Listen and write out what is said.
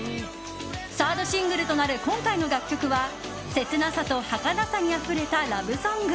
サードシングルとなる今回の楽曲は切なさと、はかなさにあふれたラブソング。